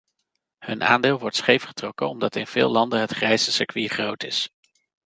Hun aandeel wordt scheef getrokken omdat in veel landen het grijze circuit groot is.